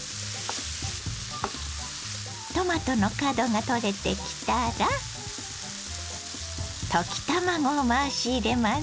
トマトの角が取れてきたら溶き卵を回し入れます。